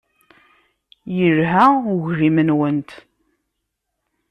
Yelha uglim-nwent.